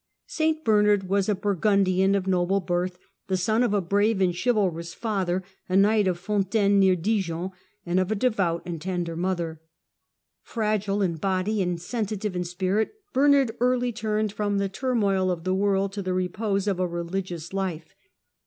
St Bernard was a Burgundian of noble birth, the son of a brave and chivalrous father, a knight of Fontaines near Dijon, and of a devout and tender mother. Fragile in body and sensitive in spirit, Bernard early turned from the turmoil of the world to the repose of a religious life.